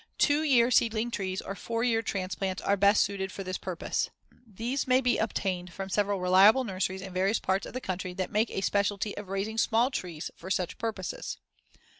Two year seedling trees or four year transplants are best suited for this purpose. These may be obtained from several reliable nurseries in various parts of the country that make a specialty of raising small trees for such purposes.